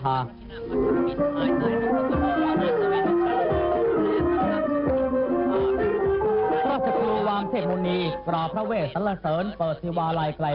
จากนั้นเวลา๑๑นาฬิกาเศรษฐ์พระธินั่งไพรศาลพักศิลป์